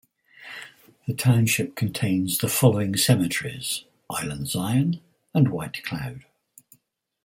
The township contains the following cemeteries: Island Zion and White Cloud.